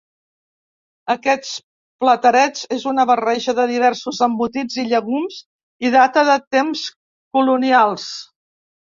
Aquests platerets és una barreja de diversos embotits i llegums, i data de temps colonials.